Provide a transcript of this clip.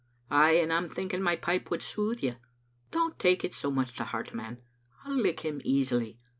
"Aye, and I'm thinking my pipe would soothe you. But don't take it so much to heart, man. I'll lick him easily.